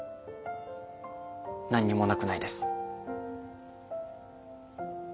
何にもなくないです。